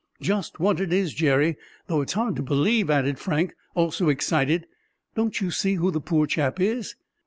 "Just what it is, Jerry, though it's hard to believe!" added Frank, also excited. "Don't you see who the poor chap is?"